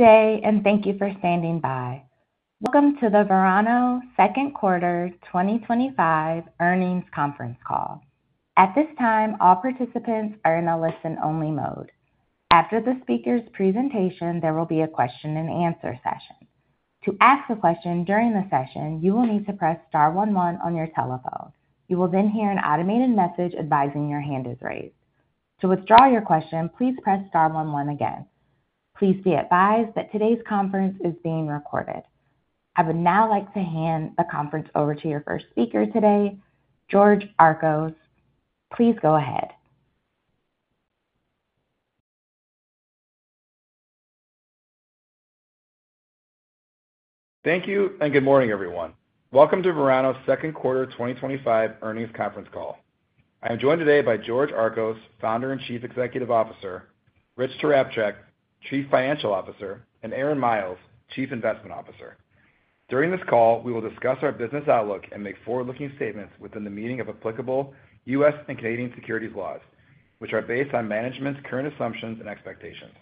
Good day and thank you for standing by. Welcome to the Verano Second Quarter 2025 Earnings Conference Call. At this time, all participants are in a listen-only mode. After the speaker's presentation, there will be a question-and-answer session. To ask a question during the session, you will need to star one one on your telephone. You will then hear an automated message advising your hand is raised. To withdraw your question, please star one one again. Please be advised that today's conference is being recorded. I would now like to hand the conference over to your first speaker today, George Archos. Please go ahead. Thank you and good morning everyone. Welcome to Verano's Second Quarter 2025 Earnings Conference Call. I am joined today by George Archos, Founder and Chief Executive Officer, Rich Tarapchak, Chief Financial Officer, and Aaron Miles, Chief Investment Officer. During this call we will discuss our business outlook and make forward-looking statements within the meaning of applicable U.S. and Canadian securities laws, which are based on management's current assumptions and expectations.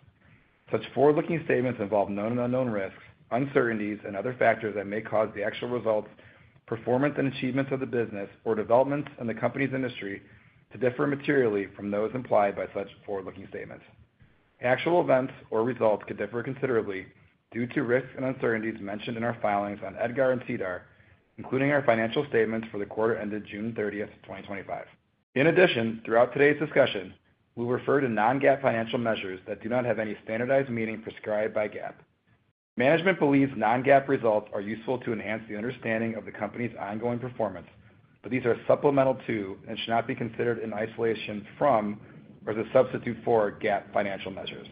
Such forward-looking statements involve known and unknown risks, uncertainties, and other factors that may cause the actual results, performance, and achievements of the business or developments in the company's industry to differ materially from those implied by such forward-looking statements. Actual events or results could differ considerably due to risks and uncertainties mentioned in our filings on EDGAR and SEDAR, including our financial statements for the quarter ended June 30, 2025. In addition, throughout today's discussion we refer to non-GAAP financial measures that do not have any standardized meaning prescribed by GAAP. Management believes non-GAAP results are useful to enhance the understanding of the company's ongoing performance, but these are supplemental to and should not be considered in isolation from or as a substitute for GAAP financial measures.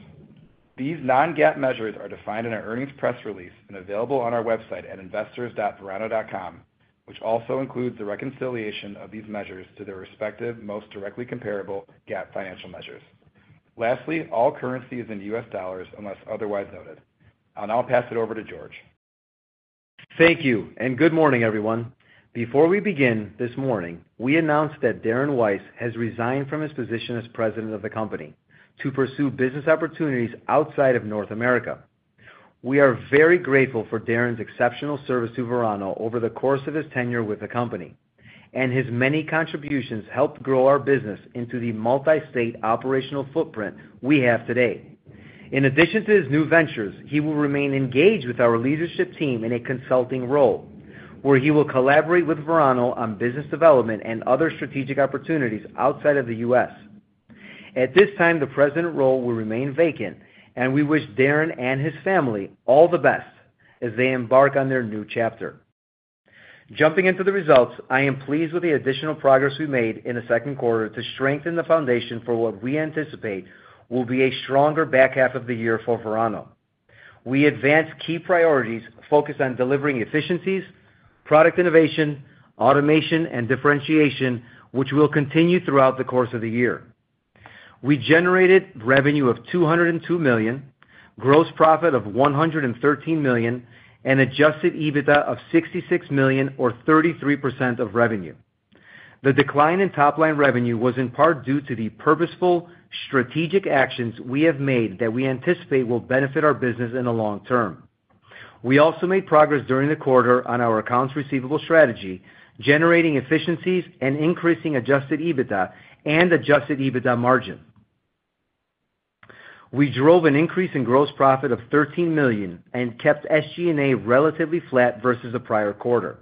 These non-GAAP measures are defined in our earnings press release and available on our website at investors.verano.com, which also includes the reconciliation of these measures to their respective most directly comparable GAAP financial measures. Lastly, all currency is in U.S. Dollars unless otherwise noted. I'll now pass it over to George. Thank you and good morning everyone. Before we begin, this morning we announced that Darren Weiss has resigned from his position as President of the company to pursue business opportunities outside of North America. We are very grateful for Darren's exceptional service to Verano over the course of his tenure with the company and his many contributions helped grow our business into the multistate operational footprint we have today. In addition to his new ventures, he will remain engaged with our leadership team in a consulting role where he will collaborate with Verano on business development and other strategic opportunities outside of the U.S. At this time, the President role will remain vacant and we wish Darren and his family all the best as they embark on their new chapter. Jumping into the results, I am pleased with the additional progress we made in the second quarter to strengthen the foundation for what we anticipate will be a stronger back half of the year for Verano. We advanced key priorities focused on delivering efficiencies, product innovation, automation, and differentiation, which will continue throughout the course of the year. We generated revenue of $202 million, gross profit of $113 million, and adjusted EBITDA of $66 million or 33% of revenue. The decline in top line revenue was in part due to the purposeful strategic actions we have made that we anticipate will benefit our business in the long term. We also made progress during the quarter on our accounts receivable strategy, generating efficiencies and increasing adjusted EBITDA and adjusted EBITDA margin. We drove an increase in gross profit of $13 million and kept SG&A relatively flat versus the prior quarter.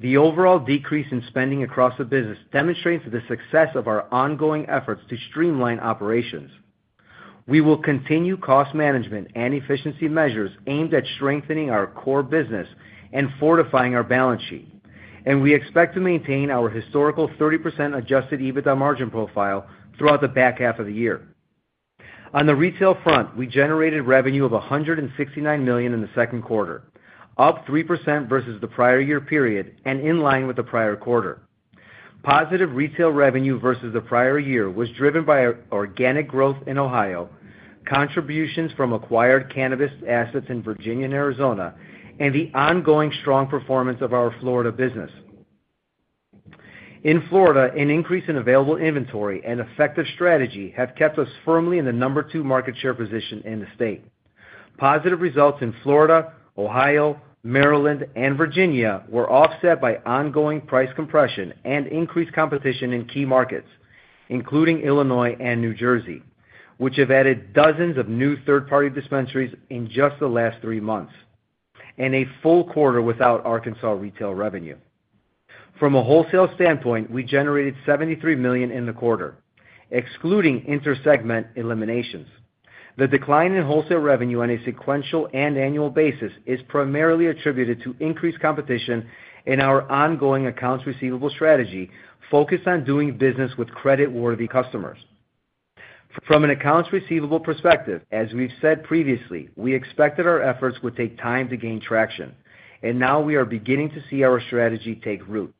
The overall decrease in spending across the business demonstrates the success of our ongoing efforts to streamline operations. We will continue cost management and efficiency measures aimed at strengthening our core business and fortifying our balance sheet, and we expect to maintain our historical 30% adjusted EBITDA margin profile throughout the back half of the year. On the retail front, we generated revenue of $169 million in the second quarter, up 3% versus the prior year period and in line with the prior quarter. Positive retail revenue versus the prior year was driven by organic growth in Ohio, contributions from acquired cannabis assets in Virginia and Arizona, and the ongoing strong performance of our Florida business. In Florida, an increase in available inventory and effective strategy have kept us firmly in the number two market share position in the state. Positive results in Florida, Ohio, Maryland, and Virginia were offset by ongoing price compression and increased competition in key markets including Illinois and New Jersey, which have added dozens of new third-party dispensaries in just the last three months, and a full quarter without Arkansas retail revenue. From a wholesale standpoint, we generated $73 million in the quarter, excluding inter-segment eliminations. The decline in wholesale revenue on a sequential and annual basis is primarily attributed to increased competition and our ongoing accounts receivable strategy focused on doing business with creditworthy customers. From an accounts receivable perspective, as we've said previously, we expected our efforts would take time to gain traction, and now we are beginning to see our strategy take root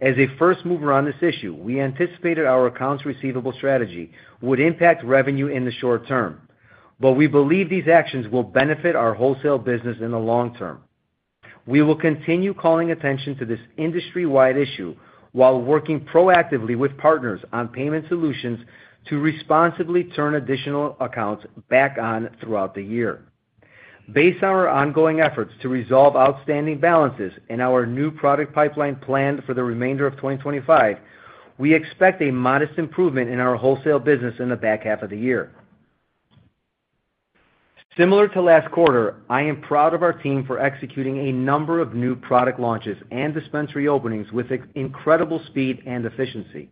as a first mover on this issue. We anticipated our accounts receivable strategy would impact revenue in the short term, but we believe these actions will benefit our wholesale business in the long term. We will continue calling attention to this industry-wide issue while working proactively with partners on payment solutions to responsibly turn additional accounts back on throughout the year. Based on our ongoing efforts to resolve outstanding balances and our new product pipeline planned for the remainder of 2025, we expect a modest improvement in our wholesale business in the back half of the year. Similar to last quarter, I am proud of our team for executing a number of new product launches and dispensary openings with incredible speed and efficiency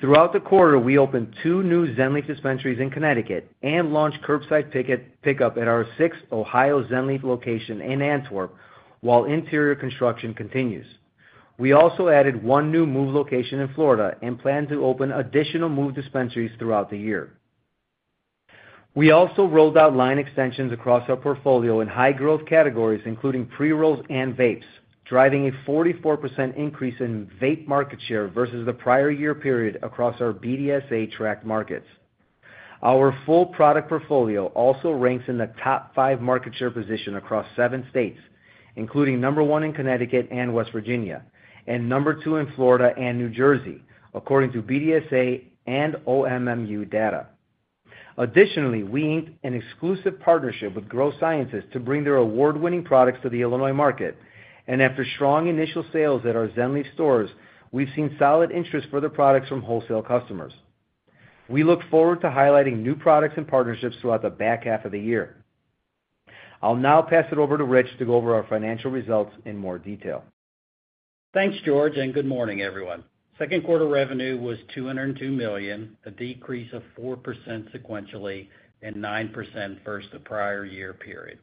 throughout the quarter. We opened two new Zen Leaf dispensaries in Connecticut and launched curbside pickup at our sixth Ohio Zen Leaf location in Antwerp while interior construction continues. We also added one new MÜV location in Florida and plan to open additional MÜV dispensaries throughout the year. We also rolled out line extensions across our portfolio in high-growth categories including pre-rolls and vapes, driving a 44% increase in vape market share versus the prior year period across our BDSA-tracked markets. Our full product portfolio also ranks in the top five market share position across seven states, including number one in Connecticut and West Virginia and number two in Florida and New Jersey according to BDSA and OMMU data. Additionally, we inked an exclusive partnership with Grow Sciences to bring their award-winning products to the Illinois market, and after strong initial sales at our Zen Leaf stores, we've seen solid interest for the products from wholesale customers. We look forward to highlighting new products and partnerships throughout the back half of the year. I'll now pass it over to Rich to go over our financial results in more detail. Thanks, George, and good morning, everyone. Second quarter revenue was $202 million, a decrease of 4% sequentially and 9% versus the prior year period.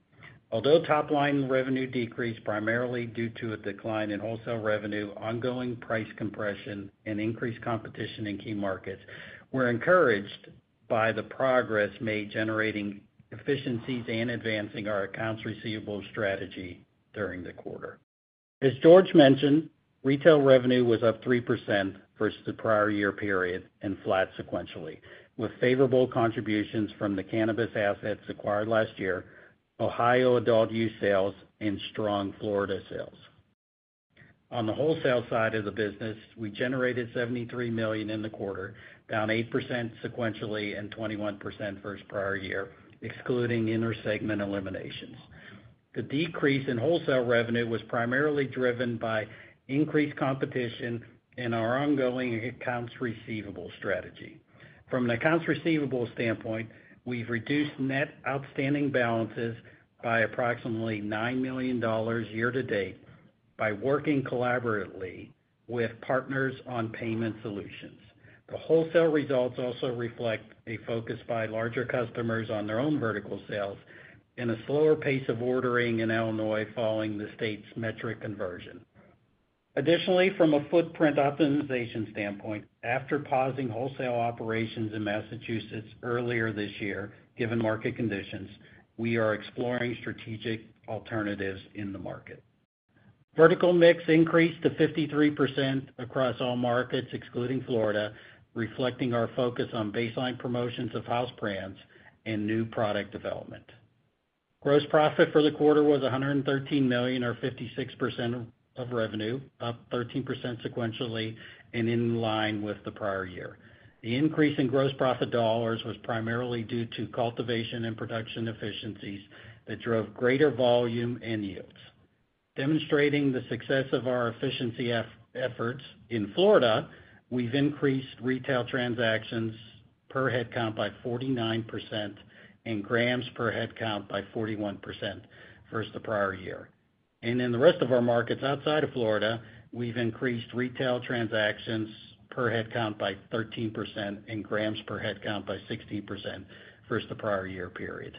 Although top line revenue decreased primarily due to a decline in wholesale revenue, ongoing price compression, and increased competition in key markets, we're encouraged by the progress made generating efficiencies and advancing our accounts receivable strategy during the quarter. As George mentioned, retail revenue was up 3% versus the prior year period and flat sequentially, with favorable contributions from the cannabis assets acquired last year, Ohio adult-use sales, and strong Florida sales. On the wholesale side of the business, we generated $73 million in the quarter, down 8% sequentially and 21% versus prior year, excluding intersegment eliminations. The decrease in wholesale revenue was primarily driven by increased competition and our ongoing accounts receivable strategy. From the accounts receivable standpoint, we've reduced net outstanding balances by approximately $9 million year-to-date by working collaboratively with partners on payment solutions. The wholesale results also reflect a focus by larger customers on their own vertical sales and a slower pace of ordering in Illinois following the state's metric conversion. Additionally, from a footprint optimization standpoint, after pausing wholesale operations in Massachusetts earlier this year given market conditions, we are exploring strategic alternatives in the market. Vertical mix increased to 53% across all markets excluding Florida, reflecting our focus on baseline promotions of house brands and new product development. Gross profit for the quarter was $113 million, or 56% of revenue, up 13% sequentially and in line with the prior year. The increase in gross profit dollars was primarily due to cultivation and production efficiencies that drove greater volume and yields, demonstrating the success of our efficiency efforts. In Florida, we've increased retail transactions per headcount by 49% and grams per headcount by 41% versus the prior year. In the rest of our markets outside of Florida, we've increased retail transactions per headcount by 13% and grams per headcount by 16% versus the prior year period.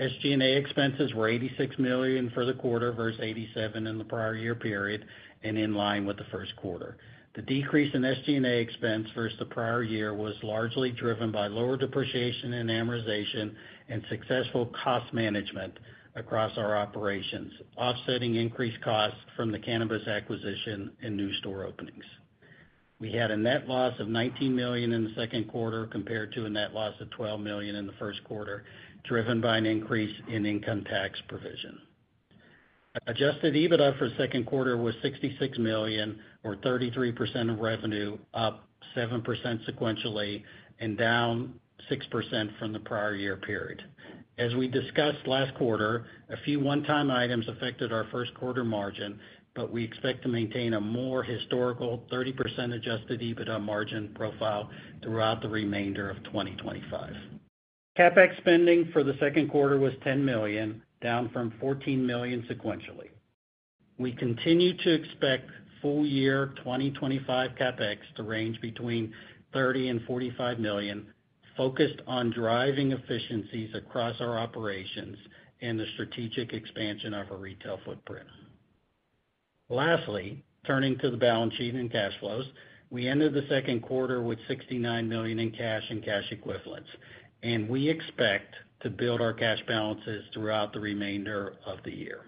SG&A expenses were $86 million for the quarter versus $87 million in the prior year period and in line with the first quarter. The decrease in SG&A expense versus the prior year was largely driven by lower depreciation and amortization and successful cost management across our operations, offsetting increased costs from the cannabis acquisition and new store openings. We had a net loss of $19 million in the second quarter compared to a net loss of $12 million in the first quarter, driven by an increase in income tax provision. Adjusted EBITDA for the second quarter was $66 million or 33% of revenue, up 7% sequentially and down 6% from the prior year period. As we discussed last quarter, a few one-time items affected our first quarter margin, but we expect to maintain a more historical 30% adjusted EBITDA margin profile throughout the remainder of 2025. CapEx spending for the second quarter was $10 million, down from $14 million sequentially. We continue to expect full year 2025 CapEx to range between $30 million and $45 million, focused on driving efficiencies across our operations and the strategic expansion of our retail footprint. Lastly, turning to the balance sheet and cash flows, we ended the second quarter with $69 million in cash and cash equivalents and we expect to build our cash balances throughout the remainder of the year.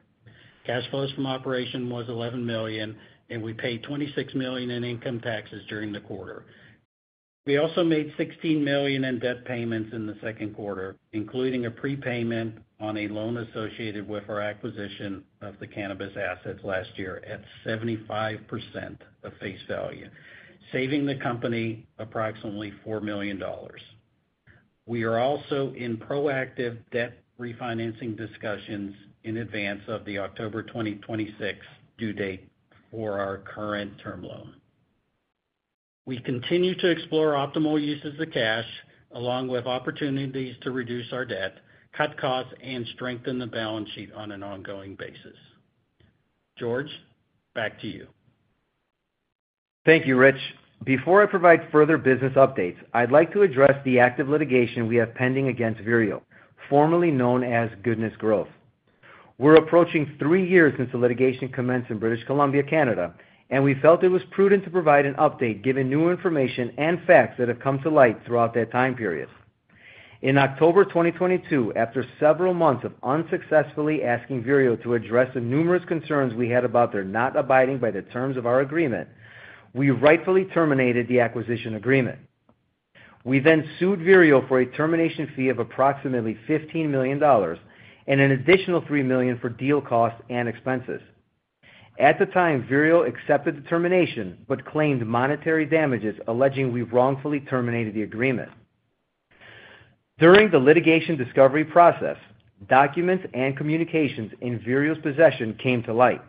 Cash flows from operations was $11 million and we paid $26 million in income taxes during the quarter. We also made $16 million in debt payments in the second quarter, including a prepayment on a loan associated with our acquisition of the cannabis assets last year at 75% of face value, saving the company approximately $4 million. We are also in proactive debt refinancing discussions in advance of the October 2026 due date for our current term loan. We continue to explore optimal uses of cash along with opportunities to reduce our debt, cut costs, and strengthen the balance sheet on an ongoing basis. George, back to you. Thank you, Rich. Before I provide further business updates, I'd like to address the active litigation we have pending against Vireo, formerly known as Goodness Growth. We're approaching three years since the litigation commenced in British Columbia, Canada, and we felt it was prudent to provide an update given new information and facts that have come to light throughout that time period. In October 2022, after several months of unsuccessfully asking Vireo to address the numerous concerns we had about their not abiding by the terms of our agreement, we rightfully terminated the acquisition agreement. We then sued Vireo for a termination fee of approximately $15 million and an additional $3 million for deal costs and expenses. At the time, Vireo accepted the termination but claimed monetary damages, alleging we wrongfully terminated the agreement. During the litigation discovery process, documents and communications in Vireo's possession came to light,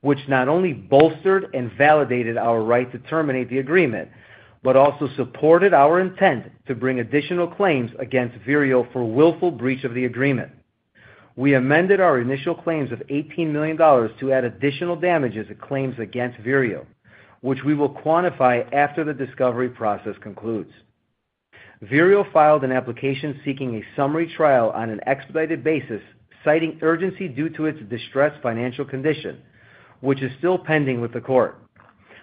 which not only bolstered and validated our right to terminate the agreement, but also supported our intent to bring additional claims against Vireo for willful breach of the agreement. We amended our initial claims of $18 million to add additional damages and claims against Vireo, which we will quantify after the discovery process concludes. Vireo filed an application seeking a summary trial on an expedited basis, citing urgency due to its distressed financial condition, which is still pending with the court.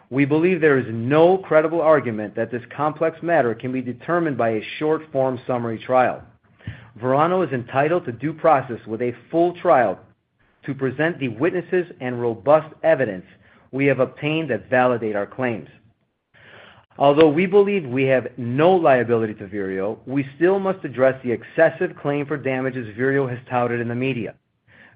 We believe there is no credible argument that this complex matter can be determined by a short form summary trial. Verano is entitled to due process with a full trial to present the witnesses and robust evidence we have obtained that validate our claims. Although we believe we have no liability to Vireo, we still must address the excessive claim for damages Vireo has touted in the media.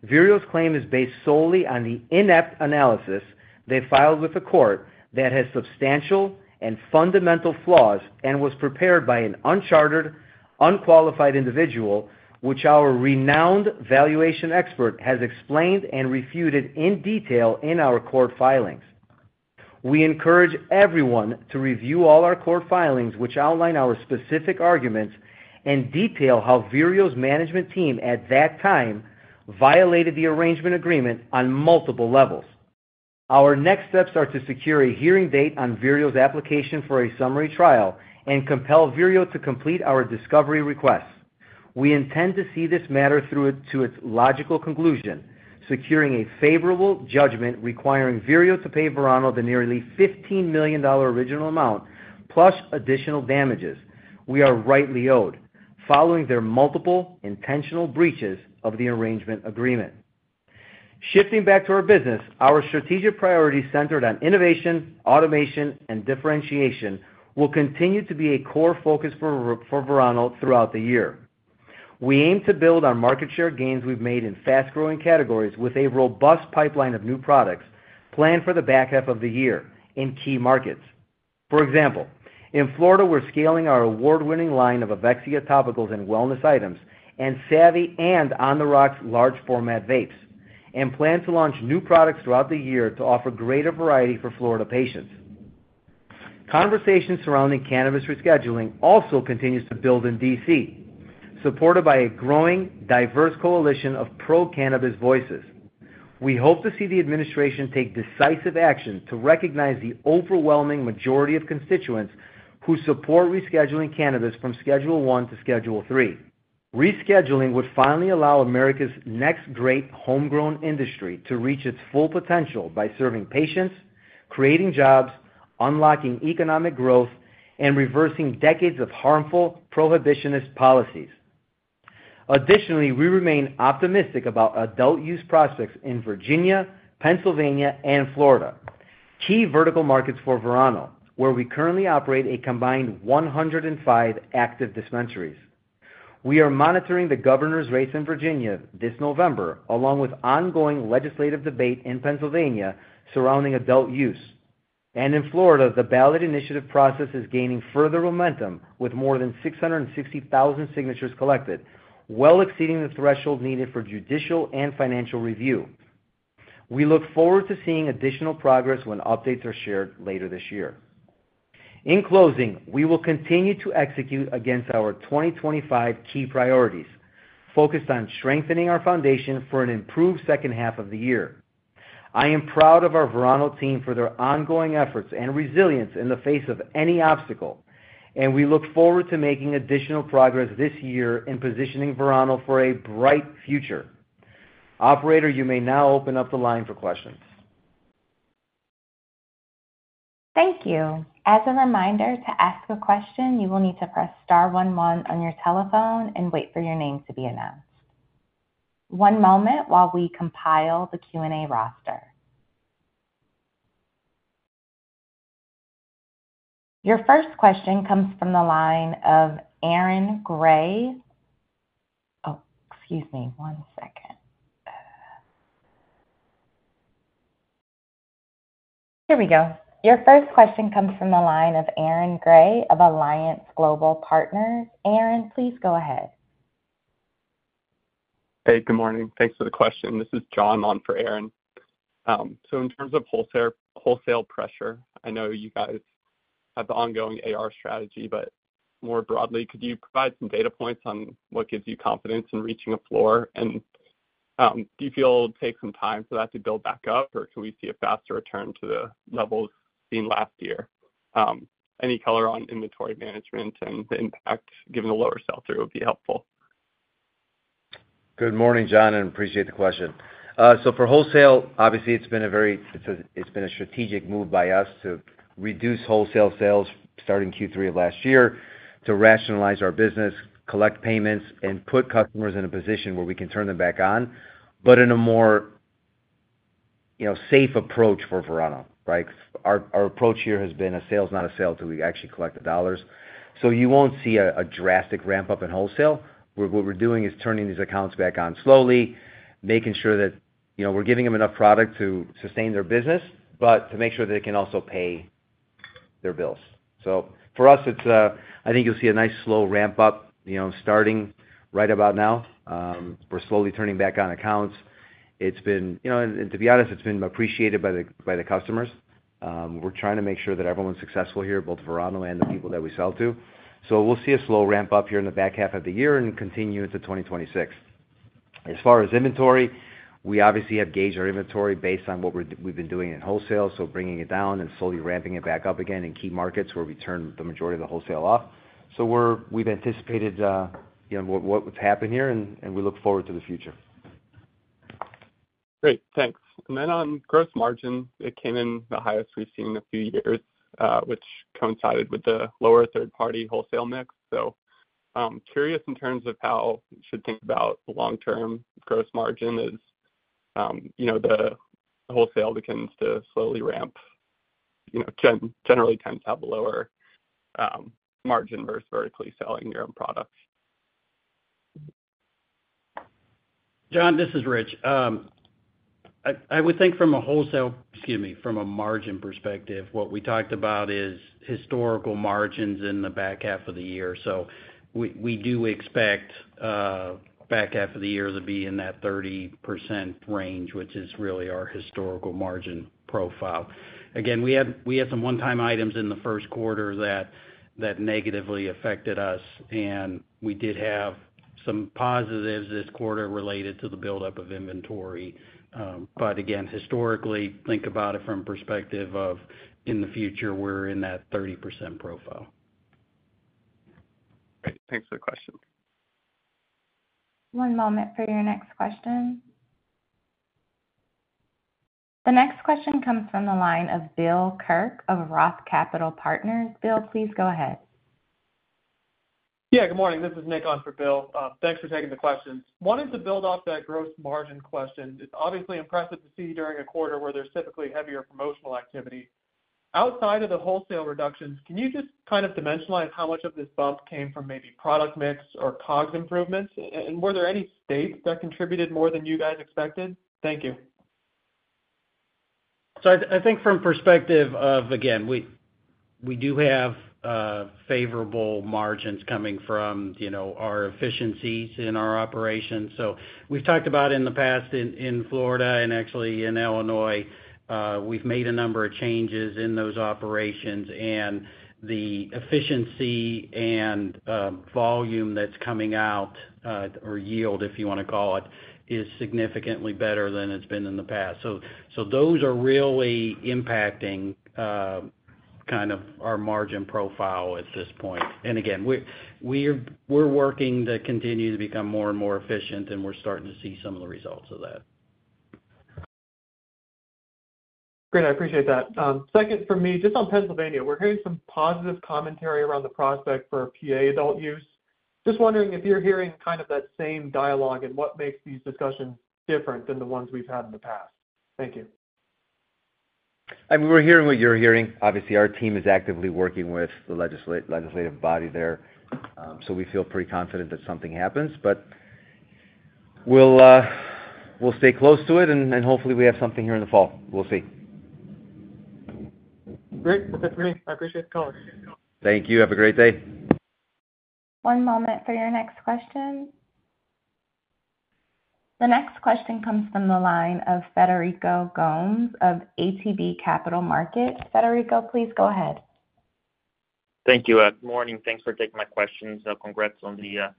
Vireo's claim is based solely on the inept analysis they filed with the court that has substantial and fundamental flaws and was prepared by an unchartered, unqualified individual, which our renowned valuation expert has explained and refuted in detail in our court filings. We encourage everyone to review all our court filings, which outline our specific arguments and detail how Vireo's management team at that time arrangement agreement on multiple levels. Our next steps are to secure a hearing date on Vireo's application for a summary trial and compel Vireo to complete our discovery requests. We intend to see this matter through to its logical conclusion, securing a favorable judgment requiring Vireo to pay Verano the nearly $15 million original amount plus additional damages we are rightly owed following their multiple intentional breaches arrangement agreement. Shifting back to our business, our strategic priorities centered on innovation, automation, and differentiation will continue to be a core focus for Verano throughout the year. We aim to build our market share gains we've made in fast-growing categories with a robust pipeline of new products planned for the back half of the year in key markets. For example, in Florida, we're scaling our award-winning line of Avexia topicals and wellness items and Savvy and On the Rocks large format vapes and plan to launch new products throughout the year to offer greater variety for Florida patients. Conversation surrounding cannabis rescheduling also continues to build in D.C., supported by a growing, diverse coalition of pro-cannabis voices. We hope to see the administration take decisive action to recognize the overwhelming majority of constituents who support rescheduling cannabis from Schedule I to Schedule III. Rescheduling would finally allow America's next great homegrown industry to reach its full potential by serving patients, creating jobs, unlocking economic growth, and reversing decades of harmful prohibitionist policies. Additionally, we remain optimistic about adult-use prospects in Virginia, Pennsylvania, and Florida, key vertical markets for Verano, where we currently operate a combined 105 active dispensaries. We are monitoring the Governor's race in Virginia this November, along with ongoing legislative debate in Pennsylvania surrounding adult use. In Florida, the ballot initiative process is gaining further momentum with more than 660,000 signatures collected, well exceeding the threshold needed for judicial and financial review. We look forward to seeing additional progress when updates are shared later this year. In closing, we will continue to execute against our 2025 key priorities focused on strengthening our foundation for an improved second half of the year. I am proud of our Verano team for their ongoing efforts and resilience in the face of any obstacle. We look forward to making additional progress this year in positioning Verano for a bright future. Operator, you may now open up the line for questions. Thank you. As a reminder, to ask a question you will need to press star one one on your telephone and wait for your name to be announced. One moment while we compile the Q&A roster. Your first question comes from the line of Aaron Grey. Oh, excuse me one second. Here we go. Your first question comes from the line of Aaron Grey of Alliance Global Partners. Aaron, please go ahead. Hey, good morning. Thanks for the question. This is John on for Aaron. In terms of wholesale pressure, I know you guys have the ongoing accounts receivable strategy, but more broadly, could you provide some data points on what gives you confidence in reaching a floor? Do you feel it'll take some time for that to build back up, or can we see a faster return to the levels seen last year? Any color on inventory management and the impact given a lower sell through would be helpful. Good morning, John, and appreciate the question. For wholesale, obviously it's been a very strategic move by us to reduce wholesale sales starting Q3 of last year to rationalize our business, collect payments, and put customers in a position where we can turn them back on but in a more, you know, safe approach for Verano. Our approach here has been a sale is not a sale until we actually collect the dollars. You won't see a drastic ramp up in wholesale. What we're doing is turning these accounts back on slowly, making sure that we're giving them enough product to sustain their business, but to make sure they can also pay their bills. For us, I think you'll see a nice slow ramp up starting right about now. We're slowly turning back on accounts. To be honest, it's been appreciated by the customers. We're trying to make sure that everyone's successful here, both Verano and the people that we sell to. We'll see a slow ramp up here in the back half of the year and continue into 2026. As far as inventory, we obviously have gauged our inventory based on what we've been doing in wholesale, bringing it down and slowly ramping back up again in key markets where we turned the majority of the wholesale off. We've anticipated what's happened here and we look forward to the future. Great, thanks. On gross margin, it came in the highest we've seen in a few years, which coincided with the lower third party wholesale mix. Curious in terms of how you should think about long term gross margin as the wholesale begins to slowly ramp, generally 10% lower margin versus vertically selling your own products. John, this is Rich. I would think from a margin perspective, what we talked about is historical margins in the back half of the year. We do expect back half of the year to be in that 30% range, which is really our historical margin profile. We had some one-time items in the first quarter that negatively affected us, and we did have some positives this quarter related to the buildup of inventory. Again, historically, think about it from the perspective of in the future, we're in that 30% profile. Thanks for the question. One moment for your next question. The next question comes from the line of Bill Kirk of ROTH Capital Partners. Bill, please go ahead. Good morning, this is Nick on for Bill. Thanks for taking the question. Wanted to build off that gross margin question. It's obviously impressive to see during a quarter where there's typically heavier promotional activity outside of the wholesale reductions. Can you just kind of dimensionalize how much of this bump came from maybe product mix or COGS improvements, and were there any state that contributed more than you guys expected? Thank you. I think from the perspective of, again, we do have favorable margins coming from our efficiencies in our operations. We've talked about in the past in Florida and actually in Illinois, we've made a number of changes in those operations, and the efficiency and volume that's coming out, or yield if you want to call it, is significantly better than it's been in the past. Those are really impacting our margin profile at this point. Again, we're working to continue to become more and more efficient, and we're starting to see some of the results of that. Great, I appreciate that. Second, from me, just on Pennsylvania, we're hearing some positive commentary around the prospect for PA adult use. Just wondering if you're hearing kind of that same dialogue and what makes these discussions different than the ones we've had in the past. Thank you. I mean, we're hearing what you're hearing. Obviously, our team is actively working with the legislative body there. We feel pretty confident that something happens. But. We'll stay close to it and hopefully we have something here in the fall. We'll see. Great. That's it for me. I appreciate the call. Thank you. Have a great day. One moment for your next question. The next question comes from the line of Frederico Gomes of ATB Capital Markets. Frederico, please go ahead. Thank you. Good morning. Thanks for taking my questions. Congrats on the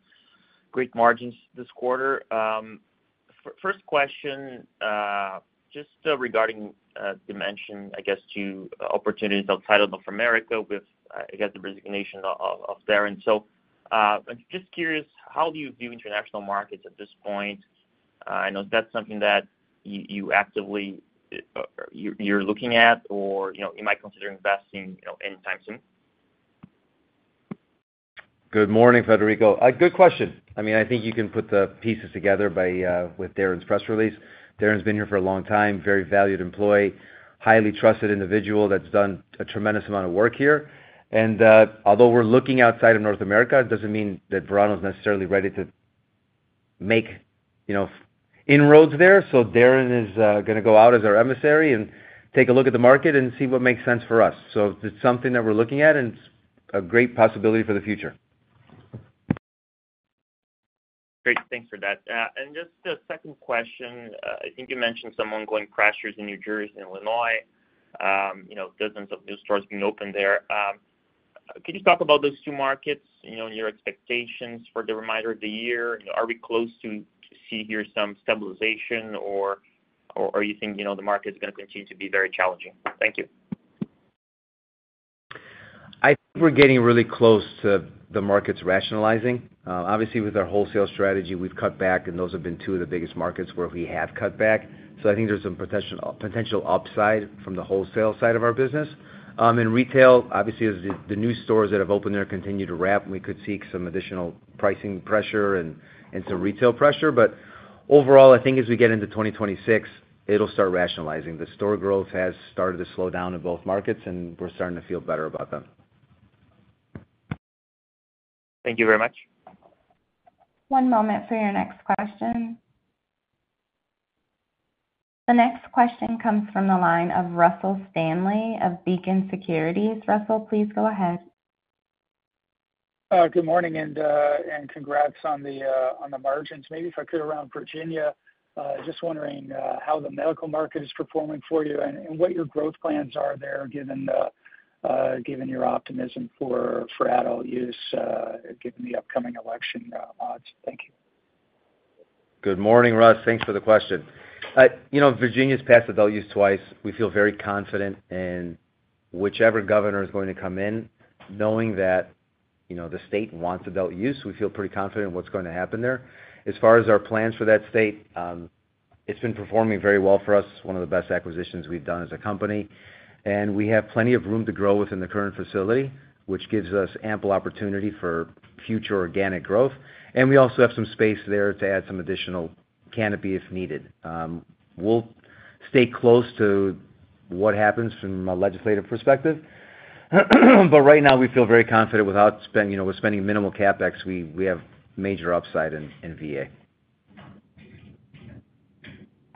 great margins this quarter. First question, just regarding dimension, I guess to opportunities outside of North America with the resignation there. I'm just curious, how do you view international markets at this point? I know that's something that you actively are looking at or you might consider investing anytime soon. Good morning, Federico. Good question. I think you can put the pieces together with Darren's press release. Darren's been here for a long time, a very valued employee, highly trusted individual that's done a tremendous amount of work here. Although we're looking outside of North America, it doesn't mean that Verano is necessarily ready to make inroads there. Darren is going to go out as our emissary and take a look at the market and see what makes sense for us. It's something that we're looking at and a great possibility for the future. Great, thanks for that. Just the second question, I think you mentioned some ongoing pressures in New Jersey and Illinois, you know, dozens of new stores being opened there. Could you talk about those two markets, your expectations for the remainder of the year? Are we close to seeing some stabilization, or do you think the market is going to continue to be very challenging? Thank you. I think we're getting really close to the markets rationalizing. Obviously, with our wholesale strategy, we've cut back, and those have been two of the biggest markets where we have cut back. I think there's some potential upside from the wholesale side of our business. In retail, obviously, the new stores that have opened there continue to ramp, and we could see some additional pricing pressure and some retail pressure. Overall, I think as we get into 2026, it'll start rationalizing. The store growth has started to slow down in both markets, and we're starting to feel better about them. Thank you very much. One moment for your next question. The next question comes from the line of Russell Stanley of Beacon Securities. Russell, please go ahead. Good morning and congrats on the margins. Maybe if I could, around Virginia, just wondering how the medical market is performing for you and what your growth plans are there, given your optimism for adult use, given the upcoming election odds. Thank you. Good morning, Russ. Thanks for the question. You know, Virginia's passed adult use twice. We feel very confident in whichever governor is going to come in knowing that the state wants adult use. We feel pretty confident in what's going to happen there as far as our plans for that state. It's been performing very well for us, one of the best acquisitions we've done as a company, and we have plenty of room to grow within the current facility, which gives us ample opportunity for future organic growth. We also have some space there to add some additional canopy if needed. We'll stay close to what happens from a legislative perspective. Right now we feel very confident without spending. We're spending minimal CapEx. We have major upside in Virginia.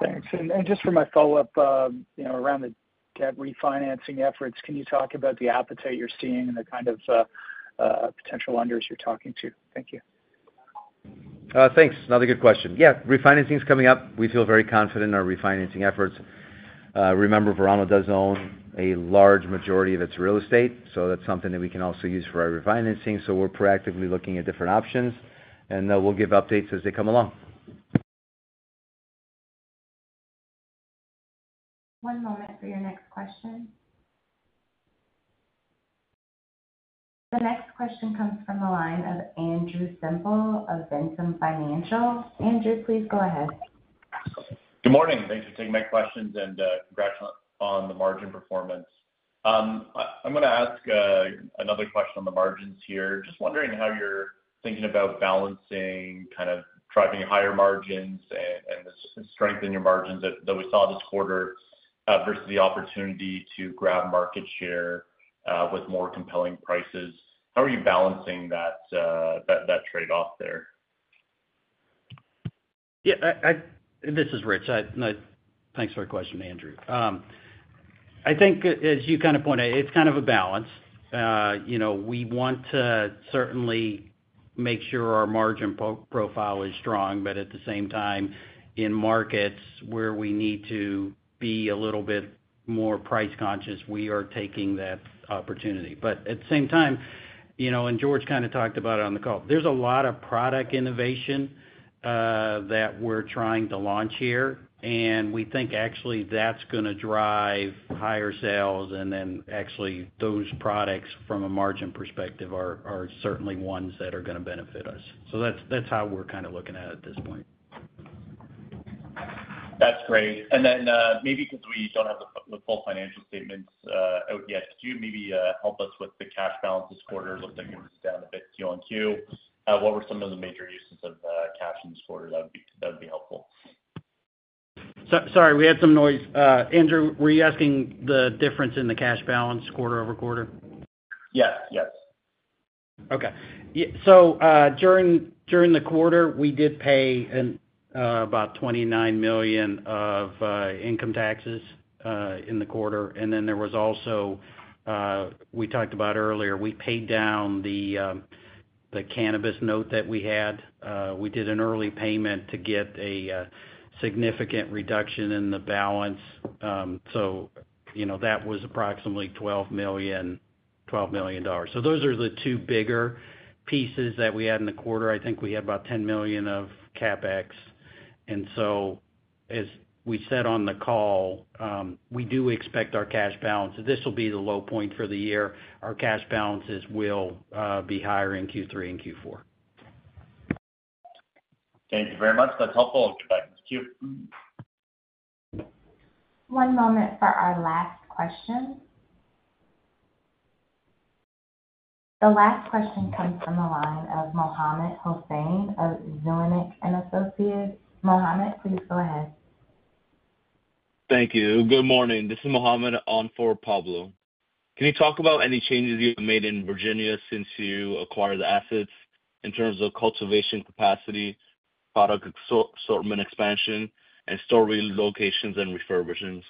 Thanks. For my follow up around. The debt refinancing efforts, can you talk about the appetite you're seeing and the kind of potential lenders you're talking to? Thank you. Thanks. Another good question. Yeah, refinancing is coming up. We feel very confident in our refinancing Remember, Verano does own a large majority of its real estate, so that's something that we can also use for our refinancing. We're proactively looking at different options and will give updates as they come along. One moment for your next question. The next question comes from the line of Andrew Semple of Ventum Financial. Andrew, please go ahead. Good morning. Thanks for taking my questions and congrats on the margin performance. I'm going to ask another question on the margins here. Just wondering how you're thinking about balancing kind of driving higher margins and strengthening your margins that we saw this quarter versus the opportunity to grab market share with more compelling prices. How are you balancing that trade off there? Yeah, this is Rich. Thanks for the question, Andrew. I think as you kind of point out, it's kind of a balance. We want to certainly make sure our margin profile is strong. At the same time, in markets where we need to be a little bit more price conscious, we are taking that opportunity. At the same time, you know, and George kind of talked about it on the call, there's a lot of product innovation that we're trying to launch here and we think actually that's going to drive higher sales. Actually, those products from a margin perspective are certainly ones that are going to benefit us. That's how we're kind of looking at it at this point. That's great. Maybe because we don't have the full financial statement out yet, can you maybe help us with the cash balances, quarters that you down a bit? Q-on-Q. What were some of the major uses of cash in this quarter that would be helpful? Sorry, we had some noise. Andrew, were you asking the difference in the cash balance quarter-over-quarter? Yes. Yes. Okay. During the quarter, we did pay about $29 million of income taxes in the quarter. There was also, as we talked about earlier, we paid down the cannabis note that we had. We did an early payment to get a significant reduction in the balance. That was approximately $12 million. Those are the two bigger pieces that we had in the quarter. I think we had about $10 million of CapEx. As we said on the call, we do expect our cash balance, this will be the low point for the year. Our cash balances will be higher in Q3 and Q4. Thank you very much. That's helpful. Thank you. One moment for our last question. The last question comes from the line of Mohammed Hossain of Zuanic & Associates. Mohammed, please go ahead. Thank you. Good morning, this is Mohammed on for Pablo. Can you talk about any changes you've made? Made in Virginia since you acquired the assets in terms of cultivation capacity, product assortment expansion, and store relocations and refurbishments?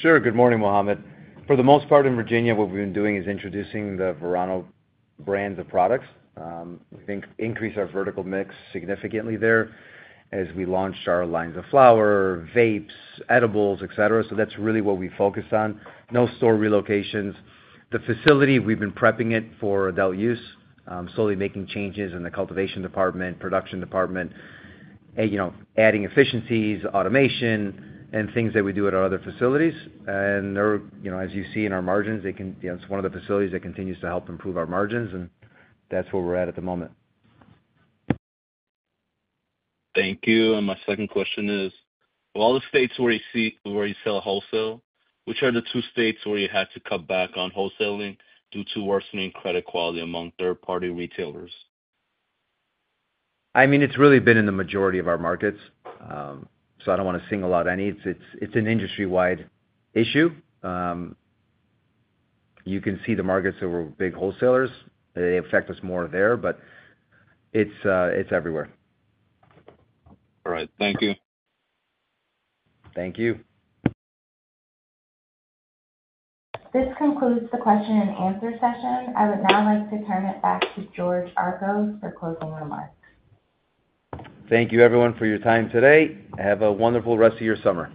Sure. Good morning, Mohammed. For the most part in Virginia, what we've been doing is introducing the Verano brands of products. We increase our vertical mix significantly there as we launched our lines of flower, vapes, edibles, et cetera. That's really what we focus on. No store relocations. The facility, we've been prepping it for adult use, slowly making changes in the cultivation department, production department, adding efficiencies, automation, and things that we do at our other facilities. As you see in our margins, they can. It's one of the facilities that continues to help improve our margins. That's where we're at at the moment. Thank you. My second question is all the. States where you sell wholesale, which are. The two states where you had to. Cut back on wholesaling due to worsening credit quality among third party retailers? It's really been in the majority of our markets. I don't want to single out any. It's an industry-wide issue. You can see the markets that were big wholesalers, they affect us more there, but it's everywhere. All right, thank you. Thank you. This concludes the question-and-answer session. I would now like to turn it back to George Archos for closing remarks. Thank you everyone for your time today. Have a wonderful rest of your summer.